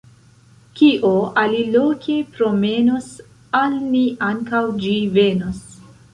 Kio aliloke promenos, al ni ankaŭ ĝi venos.